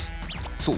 そう。